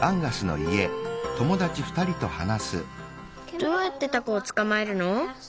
どうやってタコをつかまえるの？